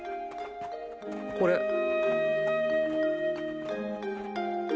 これ。